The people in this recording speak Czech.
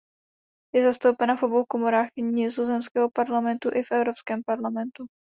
Je zastoupena v obou komorách nizozemského parlamentu i v Evropském parlamentu.